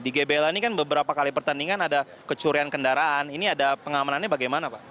di gbla ini kan beberapa kali pertandingan ada kecurian kendaraan ini ada pengamanannya bagaimana pak